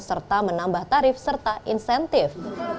serta menambah tarif serta insentif